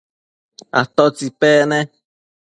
¿atótsi pec ne?